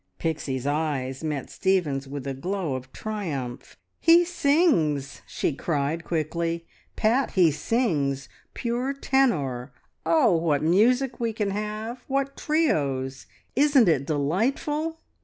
Pixie's eyes met Stephen's with a glow of triumph. "He sings!" she cried quickly. "Pat, he sings pure tenor! Oh, what music we can have, what trios! Isn't it delightful?